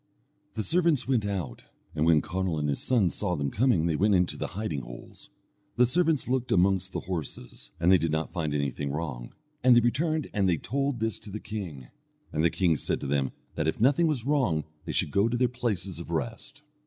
The servants went out, and when Conall and his sons saw them coming they went into the hiding holes. The servants looked amongst the horses, and they did not find anything wrong; and they returned and they told this to the king, and the king said to them that if nothing was wrong they should go to their places of rest.